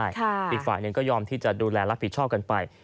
อีกฝ่ายหนึ่งก็ยอมที่จะดูแลรับผิดชอบกันไป